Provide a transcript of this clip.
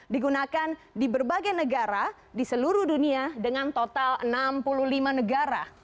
digunakan di berbagai negara di seluruh dunia dengan total enam puluh lima negara